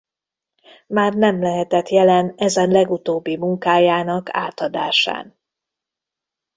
Már nem lehetett jelen ezen legutóbbi munkájának átadásán.